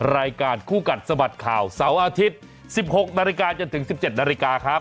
รายการคู่กัดสะบัดข่าวเสาร์อาทิตย์๑๖นจนถึง๑๗นครับ